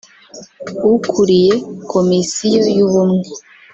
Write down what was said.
ukuriye Komisiyo y’Ubumwe